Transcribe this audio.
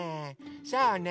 そうねえ。